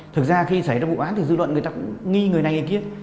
thực ra khi xảy ra vụ án thì dư luận người ta cũng nghi người này nghi kiếp